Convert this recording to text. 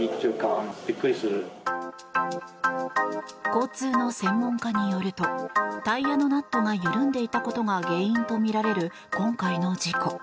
交通の専門家によるとタイヤのナットが緩んでいたことが原因とみられる今回の事故。